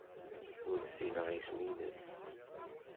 Ur ssineɣ isem-nnes.